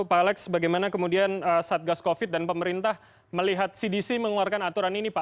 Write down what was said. pak alex bagaimana kemudian satgas covid dan pemerintah melihat cdc mengeluarkan aturan ini pak